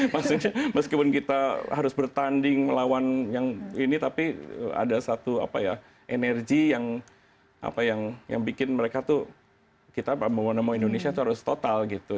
maksudnya meskipun kita harus bertanding melawan yang ini tapi ada satu apa ya energi yang bikin mereka tuh kita mau nemo indonesia itu harus total gitu